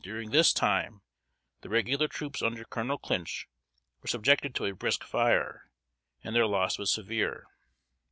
During this time, the regular troops under Colonel Clinch were subjected to a brisk fire, and their loss was severe.